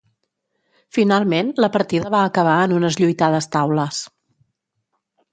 Finalment la partida va acabar en unes lluitades taules.